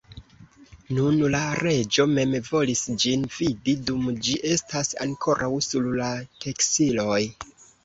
Nun la reĝo mem volis ĝin vidi, dum ĝi estas ankoraŭ sur la teksiloj.